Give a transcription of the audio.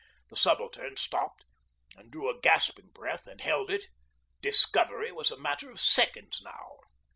The Subaltern stopped and drew a gasping breath and held it. Discovery was a matter of seconds now.